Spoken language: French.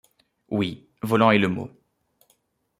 Oui, volant est le mot.